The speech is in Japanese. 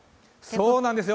そうなんですよ。